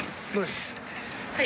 はい。